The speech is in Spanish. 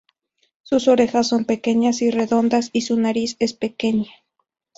Sus orejas son pequeñas y redondas y su nariz es pequeña.